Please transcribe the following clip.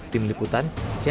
tim liputan cnn indonesia